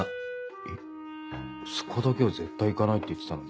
えっそこだけは絶対行かないって言ってたのに。